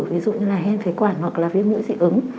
ví dụ như là hen phế quản hoặc là viên mũi